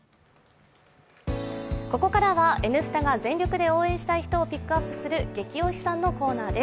ここからは「Ｎスタ」が全力で応援したい人をピックアップする「ゲキ推しさん」のコーナーです。